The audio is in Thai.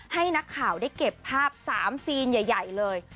ให้นักข่าวได้เก็บภาพ๓ซีนใหญ่เลย